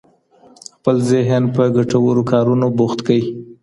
خپل ذهن په ګټورو کارونو بوخت کړئ.